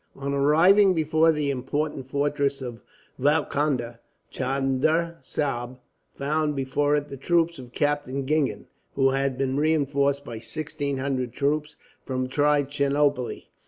On arriving before the important fortress of Valkonda, Chunda Sahib found before it the troops of Captain Gingen, who had been reinforced by sixteen hundred troops from Trichinopoli.